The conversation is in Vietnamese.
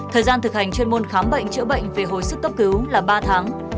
thời gian thực hành chuyên môn khám bệnh chữa bệnh về hồi sức cấp cứu là ba tháng